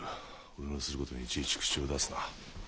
俺のする事にいちいち口を出すな。